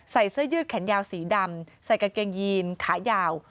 เสื้อยืดแขนยาวสีดำใส่กางเกงยีนขายาว